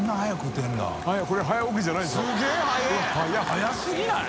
速すぎない？